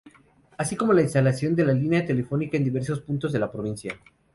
Así como la instalación de la línea telefónica en diversos puntos de la provincia.